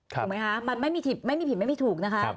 ถูกไหมคะมันไม่มีผิดไม่มีถูกนะคะ